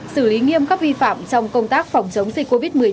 xử lý nghiêm các vi phạm trong công tác phòng chống dịch covid một mươi chín